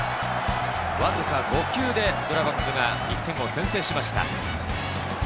わずか５球でドラゴンズが１点を先制しました。